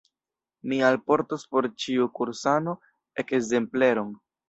Mi alportos por ĉiu kursano ekzempleron.